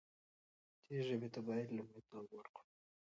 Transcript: دې ژبې ته باید لومړیتوب ورکړو.